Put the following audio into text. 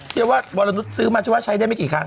เรียกว่าวรนุษย์ซื้อมาฉันว่าใช้ได้ไม่กี่ครั้ง